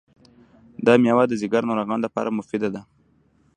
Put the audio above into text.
دا مېوه د ځیګر ناروغیو لپاره مفیده ده.